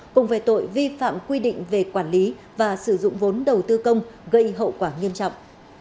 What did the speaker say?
cùng về tội vi phạm quy định về quản lý và sử dụng vốn đầu tư công gây hậu quả nghiêm trọng